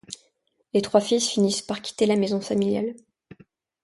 Les trois fils finissent par quitter la maison familiale.